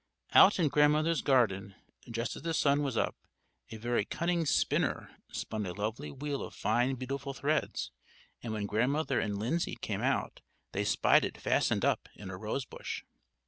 Out in Grandmother's garden, just as the sun was up, a very cunning spinner spun a lovely wheel of fine beautiful threads; and when Grandmother and Lindsay came out, they spied it fastened up in a rose bush.